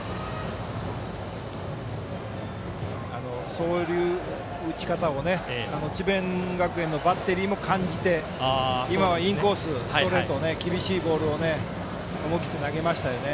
そういう打ち方を智弁学園のバッテリーも感じて今はインコース、ストレート厳しいボールを思い切って投げましたよね。